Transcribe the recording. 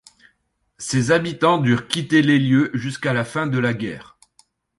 Ses habitants durent quitter les lieux jusqu'à la fin de la guerre.